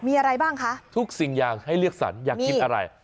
มีอะไรบ้างคะทุกสิ่งอย่างให้เลือกสรรอยากกินอะไร